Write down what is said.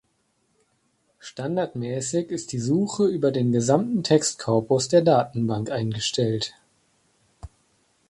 Standardmäßig ist die Suche über den gesamten Textkorpus der Datenbank eingestellt.